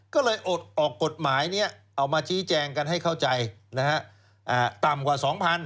ก็เลยอดออกกฎหมายนี้เอามาชี้แจงกันให้เข้าใจต่ำกว่า๒๐๐๐